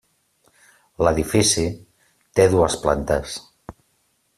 L'edifici té dues plantes.